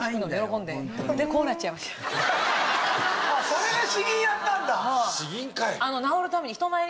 それで詩吟やったんだ。